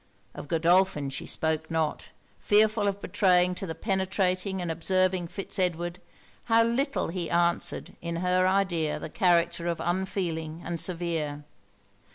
Of Godolphin she spoke not; fearful of betraying to the penetrating and observing Fitz Edward how little he answered in her idea the character of unfeeling and severe.